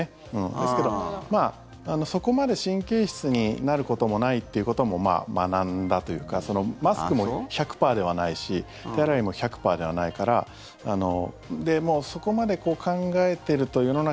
ですけどそこまで神経質になることもないっていうことも学んだというかマスクも１００％ではないし手洗いも１００％ではないからそこまで考えてると世の中